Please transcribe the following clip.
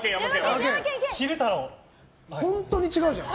本当に違うじゃん。